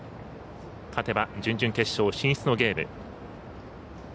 勝てば準々決勝進出のゲーム。